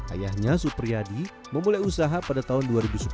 ayahnya supriyadi memulai usaha pada tahun dua ribu sepuluh